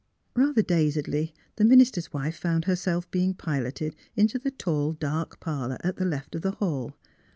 Eather dazedly the minister's wife found her self being piloted into the tall, dark parlour at the left of the hall.